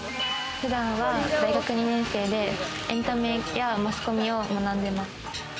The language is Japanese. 普段は大学２年生でエンタメやマスコミを学んでます。